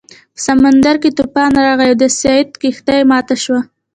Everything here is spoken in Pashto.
په سمندر کې طوفان راغی او د سید کښتۍ ماته شوه.